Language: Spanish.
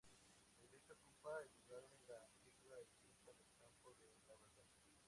La Iglesia ocupa el lugar de la antigua ermita del Campo de la Verdad.